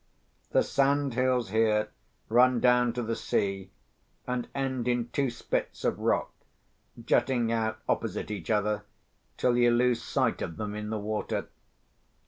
The sandhills here run down to the sea, and end in two spits of rock jutting out opposite each other, till you lose sight of them in the water.